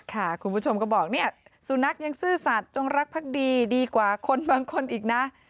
คุณผู้ชมก็บอกเนี่ยสุนัขยังซื่อสัตว์จงรักพักดีดีกว่าคนบางคนอีกนะ